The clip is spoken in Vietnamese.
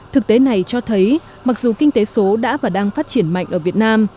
thực tế này cho thấy mặc dù kinh tế số đã và đang phát triển mạnh ở việt nam